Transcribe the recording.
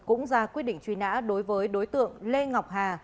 cũng ra quyết định truy nã đối với đối tượng lê ngọc hà